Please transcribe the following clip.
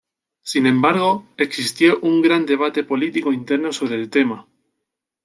Sin embargo, existió un gran debate político interno sobre el tema.